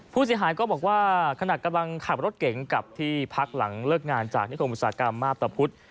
ผู้เสียหายก็บอกว่าขณะกำลังขับรถเก๋งกลับที่พักหลังเลิกงานจากนิคมอุตสาหกรรมมาพตะพุธ